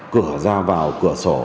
cửa ra vào cửa sổ